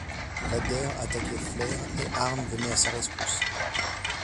Vader attaquait Flair, et Arn venait à sa rescousse.